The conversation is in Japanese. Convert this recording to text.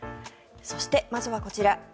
そして、まずはこちら。